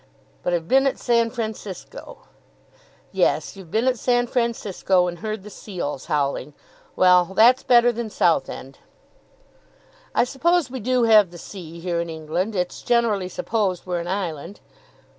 "But I've been at San Francisco." "Yes; you've been at San Francisco, and heard the seals howling. Well; that's better than Southend." "I suppose we do have the sea here in England. It's generally supposed we're an island."